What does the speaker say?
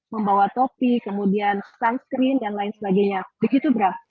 membawa topi kemudian sunscreen dan lain sebagainya begitu braf